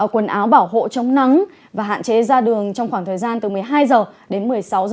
quần áo bảo hộ chống nắng và hạn chế ra đường trong khoảng thời gian từ một mươi hai h đến một mươi sáu h